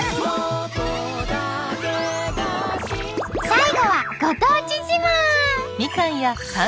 最後はご当地自慢。